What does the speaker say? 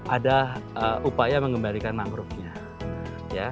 ada upaya mengembalikan mangrovenya